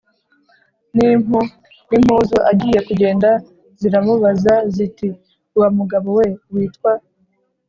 n' impu n'impuzu. agiye kugenda ziramubaza ziti: "wa mugabo we witwa